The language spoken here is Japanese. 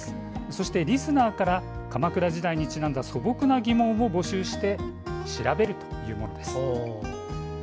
そして、リスナーから鎌倉時代にちなんだ素朴な疑問を募集して調べるというものです。